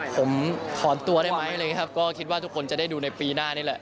ผมถอนตัวได้ไหมอะไรอย่างนี้ครับก็คิดว่าทุกคนจะได้ดูในปีหน้านี่แหละ